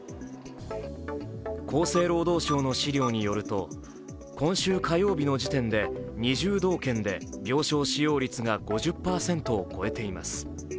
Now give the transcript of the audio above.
厚生労働省の資料によると今週火曜日の時点で２０道県で病床使用率が５０％を超えています。